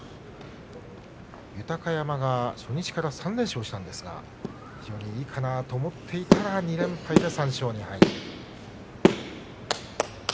豊山が初日から３連勝したんですがいいかなと思っていたら２連敗で３勝２敗。